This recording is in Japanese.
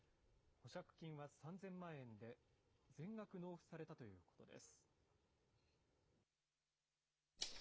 保釈金は３０００万円で、全額納付されたということです。